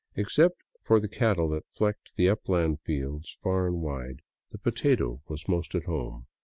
Except for the cattle that flecked the upland fields far and wide, the potato was most at home.